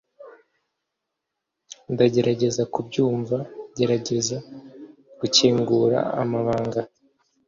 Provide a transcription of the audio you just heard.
ndagerageza kubyumva, gerageza gukingura amabanga